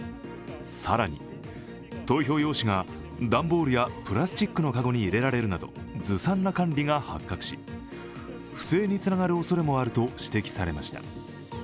更に、投票用紙が段ボールやプラスチックの籠に入れられるなどずさんな管理が発覚し不正につながるおそれもあると指摘されました。